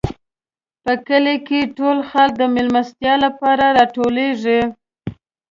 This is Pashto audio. په کلي کې ټول خلک د مېلمستیا لپاره راټولېږي.